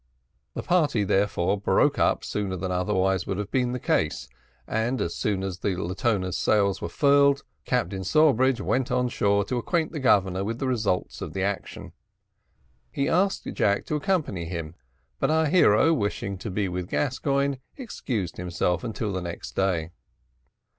The party, therefore, broke up sooner than otherwise would have been the case; and as soon as the Latona's sails were furled Captain Sawbridge went on shore to acquaint the Governor with the results of the action. He asked Jack to accompany him, but our hero, wishing to be with Gascoigne, excused himself until the next day.